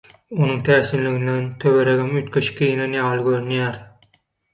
Onuň täsinliginden töweregem üýtgeşik geýnen ýaly görünýär.